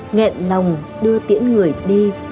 ngẹn lòng đưa tiễn người đi